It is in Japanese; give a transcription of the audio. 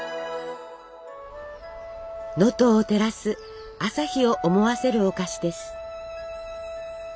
能登を照らす朝日を思わせるお菓子です。